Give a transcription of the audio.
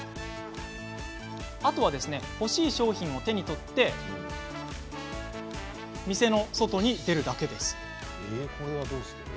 あとは欲しい商品を手に取って店の外に出るだけ。